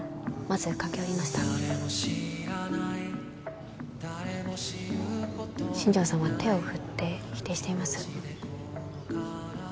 まず駆け寄りました新庄さんは手を振って否定しています